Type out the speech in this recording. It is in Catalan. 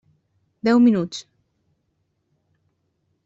Deu minuts.